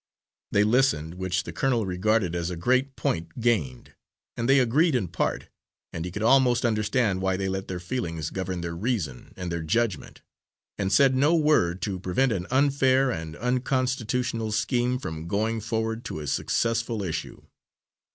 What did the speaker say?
They listened, which the colonel regarded as a great point gained, and they agreed in part, and he could almost understand why they let their feelings govern their reason and their judgment, and said no word to prevent an unfair and unconstitutional scheme from going forward to a successful issue.